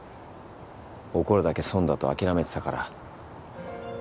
怒るだけ損だと諦めてたから。